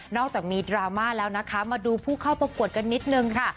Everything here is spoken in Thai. อกจากมีดราม่าแล้วนะคะมาดูผู้เข้าประกวดกันนิดนึงค่ะ